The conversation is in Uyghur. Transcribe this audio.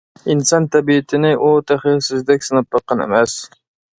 ئىنسان تەبىئىتىنى ئۇ تېخى سىزدەك سىناپ باققان ئەمەس.